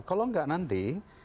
kalau tidak nanti